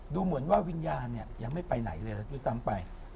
ดูเหมือนว่าวิญญาณเนี่ยยังไม่ไปไหนเลยด้วยซ้ำไป